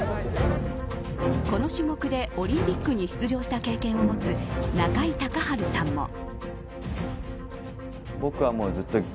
この種目でオリンピックに出場した経験を持つ中井孝治さんも。